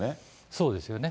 そうですよね。